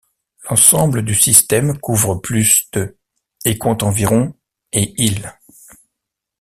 L'ensemble du système couvre plus de et compte environ et îles.